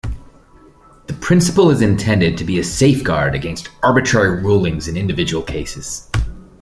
The principle is intended to be a safeguard against arbitrary rulings in individual cases.